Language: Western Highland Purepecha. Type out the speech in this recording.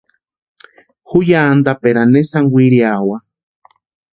Ju ya antaperani ne sáni wiriawa.